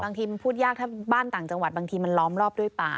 บางทีมันพูดยากถ้าบ้านต่างจังหวัดบางทีมันล้อมรอบด้วยป่า